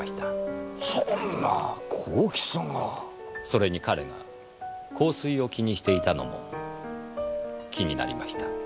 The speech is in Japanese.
それに彼が香水を気にしていたのも気になりました。